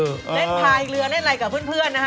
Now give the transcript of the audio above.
เล่นพายเรือเล่นอะไรกับเพื่อนนะฮะ